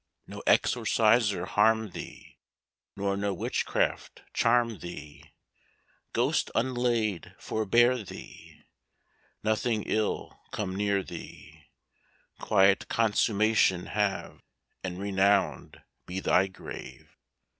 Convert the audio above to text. "No exorciser harm thee! Nor no witchcraft charm thee Ghost unlaid forbear thee! Nothing ill come near thee! Quiet consummation have; And renowned be thy grave!"